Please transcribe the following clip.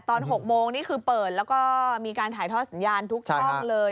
ตอน๖โมงนี่คือเปิดแล้วก็มีการถ่ายทอดสัญญาณทุกช่องเลย